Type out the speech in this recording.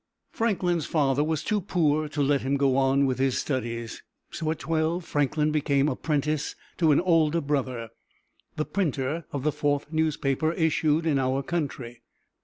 Franklin's father was too poor to let him go on with his studies, so at twelve Franklin became apprentice to an older brother, the printer of the fourth newspaper issued in our country.